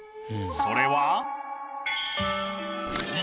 それは。